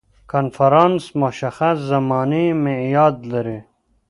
کنفرانس مشخص زماني معیاد لري.